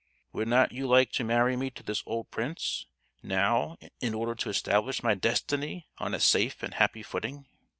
"Would not you like to marry me to this old prince, now, in order to establish my destiny on a safe and happy footing?"